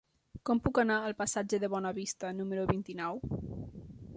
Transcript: Com puc anar al passatge de Bonavista número vint-i-nou?